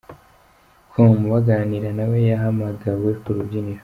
com baganira nawe yahamagawe ku rubyiniro.